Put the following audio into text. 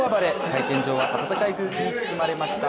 会見場は温かい空気に包まれました。